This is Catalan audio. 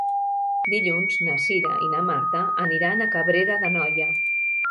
Dilluns na Cira i na Marta aniran a Cabrera d'Anoia.